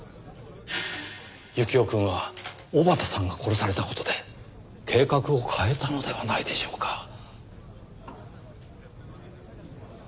幸雄くんは尾幡さんが殺された事で計画を変えたのではないでしょうか？